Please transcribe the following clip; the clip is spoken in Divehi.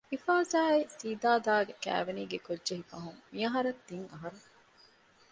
އިފާޒާއި ސިދާދާގެ ކައިވެނީގެ ގޮށްޖެހިފަހުން މިއަހަރަށް ތިން އަހަރު